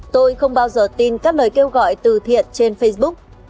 tôi không bao giờ tin các lời kêu gọi từ thiện trên facebook